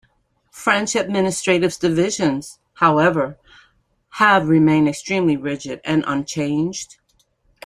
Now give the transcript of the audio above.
French administrative divisions, however, have remained extremely rigid and unchanged.